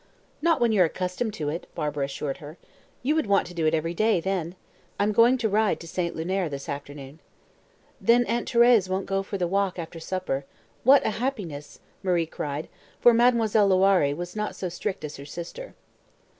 "Not when you're accustomed to it," Barbara assured her. "You would want to do it everyday then. I'm going to ride to St. Lunaire this afternoon." "Then Aunt Thérèse won't go for the walk after supper. What a happiness!" Marie cried, for Mademoiselle Loiré was not so strict as her sister.